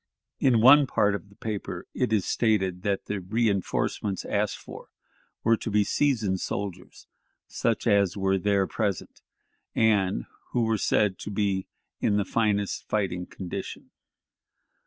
In one part of the paper it is stated that the reënforcements asked for were to be "seasoned soldiers," such as were there present, and who were said to be in the "finest fighting condition."